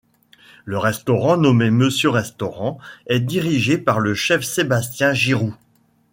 Le restaurant nommé Monsieur-Restaurant est dirigé par le chef Sébastien Giroud.